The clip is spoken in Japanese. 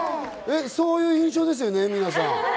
そういう印象ですよね、皆さん。